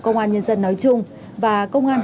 công an nhân dân nói chung và công an